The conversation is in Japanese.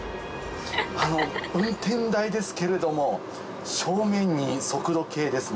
運転台ですけれども正面に速度計ですね。